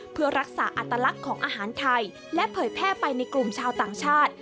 เพื่อรักษาอัตลักษณ์ของอาหารไทยและเผยแพร่ไปในกลุ่มชาวต่างชาติ